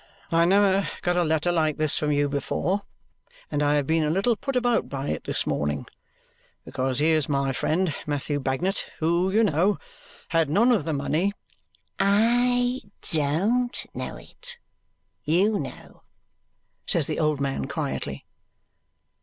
I never got a letter like this from you before, and I have been a little put about by it this morning, because here's my friend Matthew Bagnet, who, you know, had none of the money " "I DON'T know it, you know," says the old man quietly.